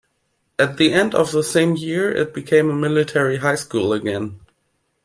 At the end of the same year, it became a military high school again.